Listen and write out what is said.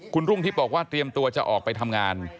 คุณรุ่งทิพย์บอกว่าเตรียมตัวจะออกไปทำงาน